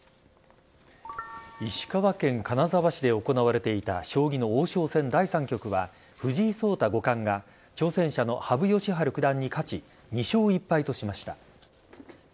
石川県金沢市で行われていた将棋の王将戦第３局は藤井聡太五冠が挑戦者の羽生善治九段に勝ち２勝１敗としました。